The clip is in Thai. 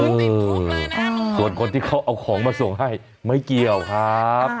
ส่วนคนที่เขาเอาของมาส่งให้ไม่เกี่ยวครับ